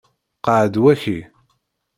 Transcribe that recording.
Qɛed waki.